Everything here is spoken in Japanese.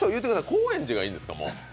高円寺がいいんですか？